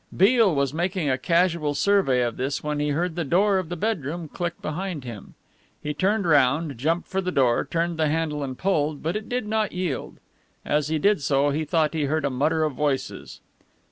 Beale was making a casual survey of this when he heard the door of the bedroom click behind him. He turned round, jumped for the door, turned the handle and pulled, but it did not yield. As he did so he thought he heard a mutter of voices.